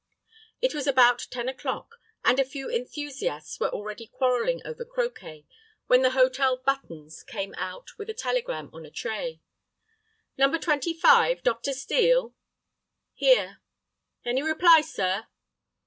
It was about ten o'clock, and a few enthusiasts were already quarrelling over croquet, when the hotel "buttons" came out with a telegram on a tray. "No. 25, Dr. Steel?" "Here." "Any reply, sir?"